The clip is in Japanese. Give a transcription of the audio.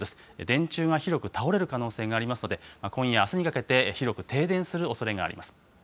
電柱が広く倒れる可能性がありますので、今夜、あすにかけて広く停電するおそれがあります。